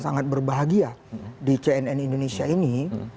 sangat berbahagia di cnn indonesia ini